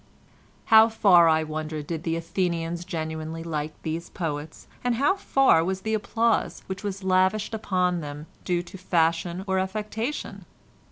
"How far I wonder did the Athenians genuinely like these poets, and how far was the applause which was lavished upon them due to fashion or affectation?